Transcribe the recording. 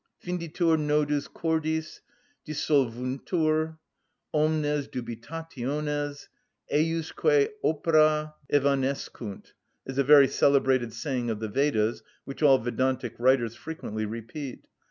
"Finditur nodus cordis, dissolvuntur omnes dubitationes, ejusque opera evanescunt," is a very celebrated saying of the Vedas, which all Vedantic writers frequently repeat.